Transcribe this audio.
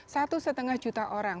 satu setengah juta orang